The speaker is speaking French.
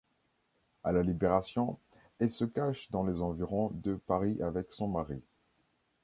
À la Libération, elle se cache dans les environs de Paris avec son mari.